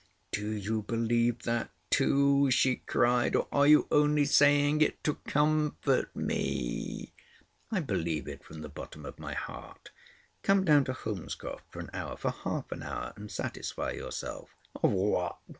"Do you believe that too?" she cried. "Or are you only saying it to comfort me?" "I believe it from the bottom of my heart. Come down to Holmescroft for an hour—for half an hour and satisfy yourself." "Of what?